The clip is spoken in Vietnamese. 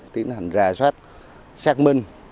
tiến hành ra soát xác minh